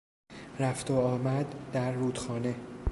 رفت و آمد در رودخانه